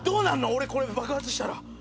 俺これ爆発したら。